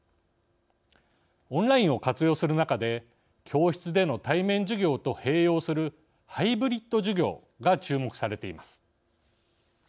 オンラインを活用する中で教室での対面授業と併用するハイブリッド授業が注目されています。